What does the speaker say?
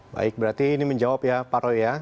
baik berarti ini menjawab ya pak roy ya